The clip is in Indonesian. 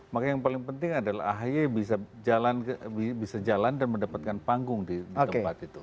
maka yang paling penting adalah ahy bisa jalan dan mendapatkan panggung di tempat itu